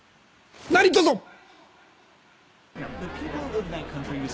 何とぞ！